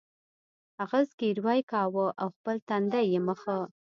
هغه زګیروی کاوه او خپل تندی یې مښه